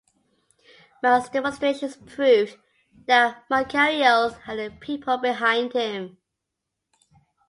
Mass demonstrations proved that Makarios had the people behind him.